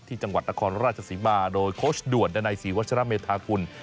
ที่จังหวัดนครราชสิมาโดยโคชด่วนดันไนสีวัชราเมธาคุณ